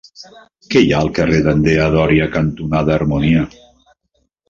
Què hi ha al carrer Andrea Doria cantonada Harmonia?